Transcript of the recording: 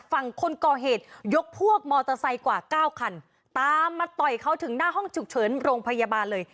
ฝั่งคนก่อเหตุยกพวกมอเตอร์ไซค์กว่าเก้าคันตามมาต่อยเขาถึงหน้าห้องฉุกเฉินโรงพยาบาลเลย